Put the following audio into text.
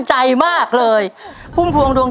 ใช่นักร้องบ้านนอก